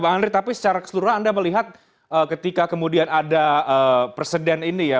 bang andri tapi secara keseluruhan anda melihat ketika kemudian ada presiden ini ya